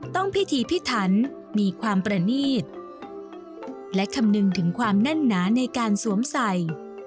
พิธีพิถันมีความประนีตและคำนึงถึงความแน่นหนาในการสวมใส่